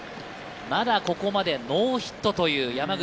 まだここまでノーヒットの山口。